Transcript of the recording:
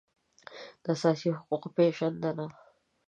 د اساسي حقوقو پېژندنه